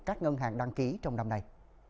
các ngân hàng đăng ký trong năm nay